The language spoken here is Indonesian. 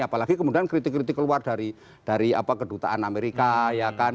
apalagi kemudian kritik kritik keluar dari kedutaan amerika ya kan